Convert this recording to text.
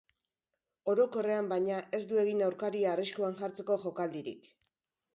Orokorrean, baina, ez du egin aurkaria arriskuan jartzeko jokaldirik.